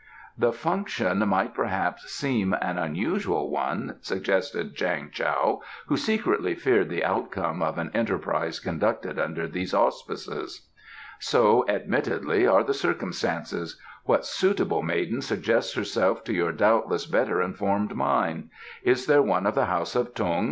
"The function might perhaps seem an unusual one," suggested Chang Tao, who secretly feared the outcome of an enterprise conducted under these auspices. "So, admittedly, are the circumstances. What suitable maiden suggests herself to your doubtless better informed mind? Is there one of the house of Tung?"